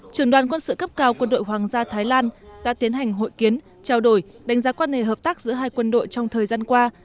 trường đoàn quân sự cấp cao quân đội hoàng gia thái lan đã tiến hành hội kiến trao đổi đánh giá quan hệ hợp tác giữa hai quân đội trong thời gian qua